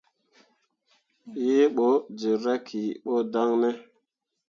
Wǝǝ ɓo jerra ki ɓo dan ne ?